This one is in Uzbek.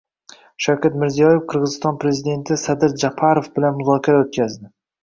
Shavkat Mirziyoyev Qirg‘iziston prezidenti Sadir Japarov bilan muzokara o‘tkazdi